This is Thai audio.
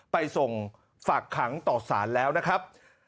ไปส่งฝากขังต่อสารแล้วนะครับ